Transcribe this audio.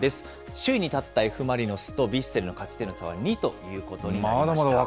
首位に立ったＦ・マリノスと、ヴィッセルの勝ち点差は２ということになりました。